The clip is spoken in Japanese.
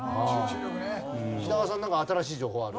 北川さんなんか新しい情報ある？